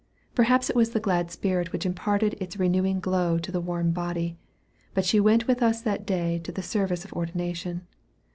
Perhaps it was the glad spirit which imparted its renewing glow to the worn body, but she went with us that day to the service of ordination.